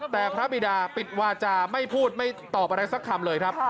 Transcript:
แต่พระบิดาปิดวาจาไม่พูดไม่ตอบอะไรสักคำเลยครับ